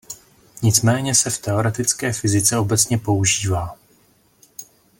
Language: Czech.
Nicméně se v teoretické fyzice obecně používá.